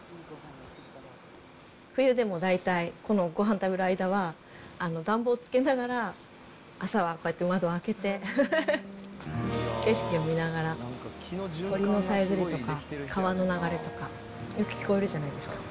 冬でも大体、このごはん食べている間は、暖房つけながら、朝はこうやって窓を開けて、景色を見ながら、鳥のさえずりとか、川の流れとか、よく聞こえるじゃないですか。